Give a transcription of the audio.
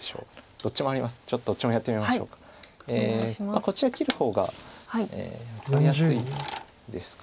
こちら切る方が分かりやすいですか。